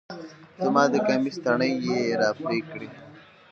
زما د کميس تڼۍ يې راپرې کړې